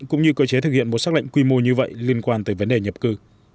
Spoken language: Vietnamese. cũng như cơ chế thực hiện một xác lệnh quy mô như vậy liên quan tới vấn đề nhập cư